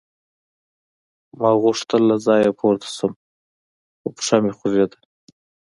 ما غوښتل له ځایه پورته شم خو پښه مې خوږېده